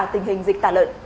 tình hình dịch tả lợn